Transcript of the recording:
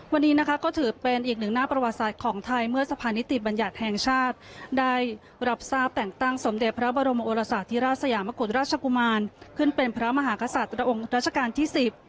วันนี้นะคะก็ถือเป็นอีกหนึ่งหน้าประวัติศาสตร์ของไทยเมื่อสะพานิติบัญญัติแห่งชาติได้รับทราบแต่งตั้งสมเด็จพระบรมโอรสาธิราชสยามกุฎราชกุมารขึ้นเป็นพระมหากษัตริย์องค์ราชการที่สิบ